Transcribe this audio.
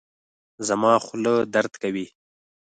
زما خوله درد کوي